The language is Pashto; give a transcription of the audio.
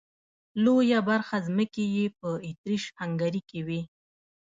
لويه برخه ځمکې یې په اتریش هنګري کې وې.